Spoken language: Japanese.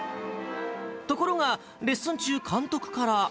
ところが、レッスン中、監督から。